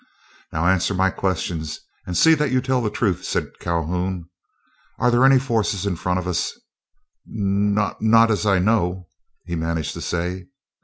"Now, answer my questions, and see that you tell the truth," said Calhoun. "Are there any forces in front of us?" "N—not—not as I know," he managed to say.